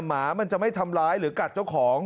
หมามันจะไม่ทำร้ายหรือกัดเจ้าของ